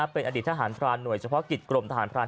เป็นอดีตทหารพรานหน่วยเฉพาะกิจกรมทหารพราน